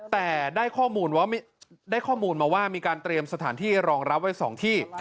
แต่ได้ข้อมูลมาว่ามีการเตรียมสถานที่รองรับไว้๒ที่